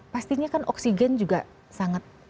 pastinya kan oksigen juga sangat